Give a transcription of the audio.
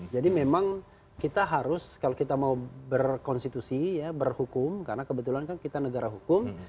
jadi memang kita harus kalau kita mau berkonstitusi berhukum karena kebetulan kan kita negara hukum